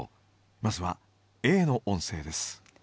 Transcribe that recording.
まずはＡの音声です。